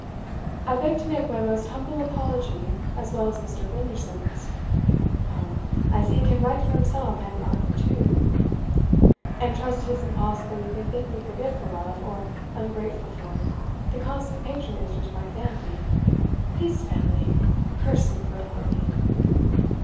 I beg to make my most humble apology, as well as Mr. Grindersons [come, I see he can write for himself and partner too] and trust it is impossible you can think me forgetful of, or ungrateful for, the constant patronage which my family [his family! curse him for a puppy!